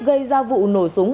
gây ra vụ nổ súng